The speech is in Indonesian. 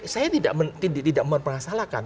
saya tidak mempermasalahkan